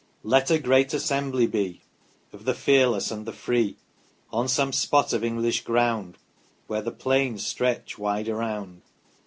Let a great Assembly be Of the fearless and the free On some spot of English ground Where the plains stretch wide around.